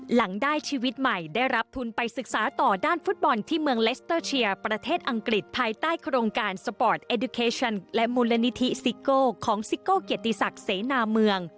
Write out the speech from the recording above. หลังได้ชีวิตใหม่ได้รับทุนไปศึกษาต่อด้านฟุตบอลที่เมืองเลสเตอร์เชียร์ประเทศอังกฤษภายใต้โครงการสปอร์ตเอดิเคชันและมูลนิธิซิโก้ของซิโก้เกียรติศักดิ์เสนาเมือง